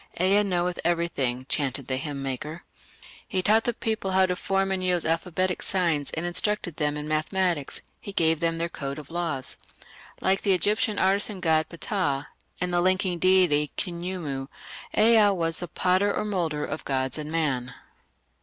"Ea knoweth everything", chanted the hymn maker. He taught the people how to form and use alphabetic signs and instructed them in mathematics: he gave them their code of laws. Like the Egyptian artisan god Ptah, and the linking deity Khnumu, Ea was the "potter or moulder of gods and man".